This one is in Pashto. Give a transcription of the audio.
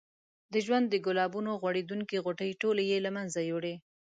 د ژوند د ګلابونو غوړېدونکې غوټۍ ټولې یې له منځه یوړې.